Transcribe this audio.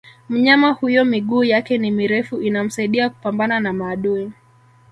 Mnyama huyo miguu yake ni mirefu inamsaidia kupambana na maadui